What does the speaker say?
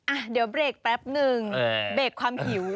อ่ะเดี๋ยวเบรกแป๊บนึงเบรกความหิว